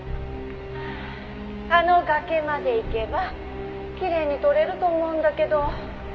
「あの崖まで行けばきれいに撮れると思うんだけど」